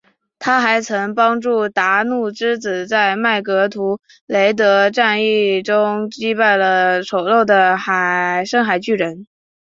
她还曾经帮助达努之子在麦格图雷德战役中击败了丑陋的深海巨人。